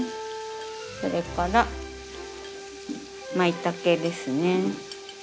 それからまいたけですね。